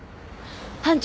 班長。